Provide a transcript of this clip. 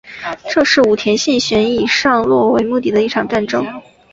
这是武田信玄以上洛为目的的一场战争。